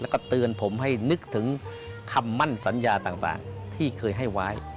แล้วก็เตือนผมให้นึกถึงคำมั่นสัญญาต่างที่เคยให้ไว้